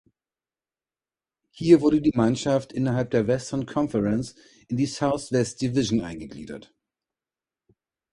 Hier wurde die Mannschaft innerhalb der Western Conference in die Southwest Division eingegliedert.